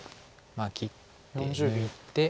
切って抜いて。